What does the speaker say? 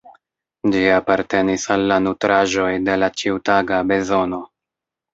Ĝi apartenis al la nutraĵoj de la ĉiutaga bezono.